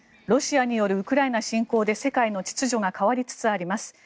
ロシアによるウクライナ侵攻で世界の秩序が変わりつつあります。